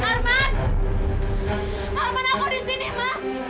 harapan aku di sini mas